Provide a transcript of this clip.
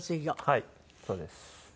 はいそうです。